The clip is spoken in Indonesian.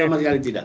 sama sekali tidak